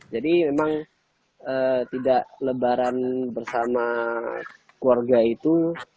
jadi memang tidak lebaran bersama keluarga itu